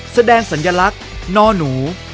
๑แสดงสัญลักษณ์นอนู